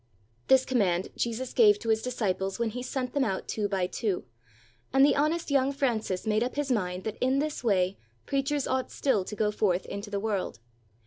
This command Jesus gave 13 ITALY to his disciples when he sent them out two by two, and the honest young Francis made up his mind that in this way preachers ought still to go forth into the world.